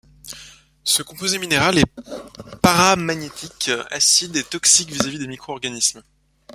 Ce composé minéral est paramagnétique, acide et toxique vis à vis des micro-organismes.